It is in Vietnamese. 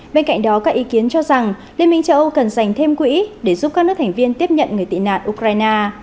bên cạnh đó các ý kiến cho rằng liên minh châu âu cần dành thêm quỹ để giúp các nước thành viên tiếp nhận người tị nạn ukraine